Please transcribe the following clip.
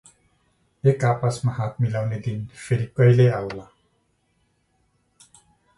एक आपसमा हात मिलाउने दिन फेरि कहिल्यै आउला?